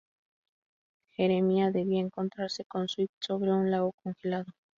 Jeremiah debía encontrarse con Sweet sobre un lago congelado.